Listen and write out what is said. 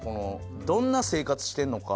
どんな生活してるのか。